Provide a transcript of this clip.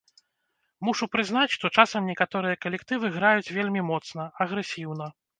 Мушу прызнаць, што часам некаторыя калектывы граюць вельмі моцна, агрэсіўна.